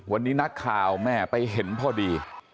วันนี้นักข่าวแม่ไปเห็นพอดี